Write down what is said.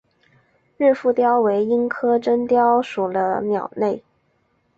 白腹隼雕为鹰科真雕属的鸟类。